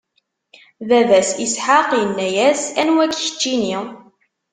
Baba-s Isḥaq inna-yas: Anwa-k, keččini?